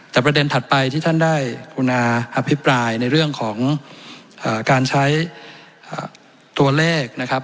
แต่ประเด็นถัดไปที่ท่านได้กรุณาอภิปรายในเรื่องของการใช้ตัวเลขนะครับ